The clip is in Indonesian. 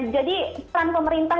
jadi peran pemerintah